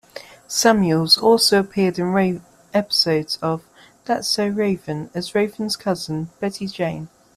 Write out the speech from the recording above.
Samuels also appeared in episodes of "That's So Raven" as Raven's cousin, Betty Jane.